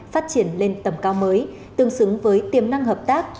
phát triển lên tầm cao mới tương xứng với tiềm năng hợp tác